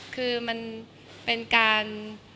คือมันเป็นการ